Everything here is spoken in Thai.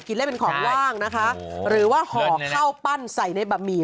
เล่นเป็นของว่างนะคะหรือว่าห่อข้าวปั้นใส่ในบะหมี่